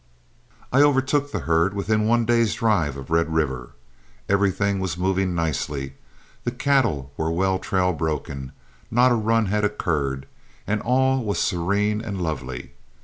I overtook the herd within one day's drive of Red River. Everything was moving nicely, the cattle were well trail broken, not a run had occurred, and all was serene and lovely.